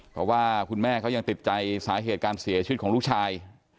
เพราะว่าคุณแม่เขายังติดใจสาเหตุการเสียชีวิตของลูกชาย